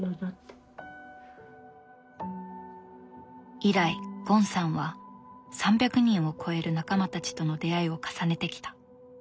以来ゴンさんは３００人を超える仲間たちとの出会いを重ねてきた。